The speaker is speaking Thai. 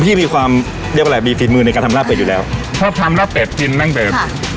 พี่มีความเรียกว่าไรมีฟิฟิฟท์มือในการทำร้าเป็ดอยู่แล้วถ้าทำร่าเป็ดจิ้นนั่งเป็ด